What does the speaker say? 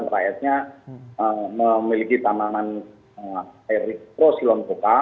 rakyatnya memiliki tamangan air mikro silom koka